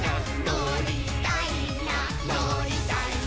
「のりたいなのりたいな」